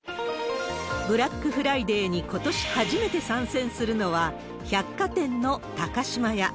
ブラックフライデーにことし初めて参戦するのは、百貨店の高島屋。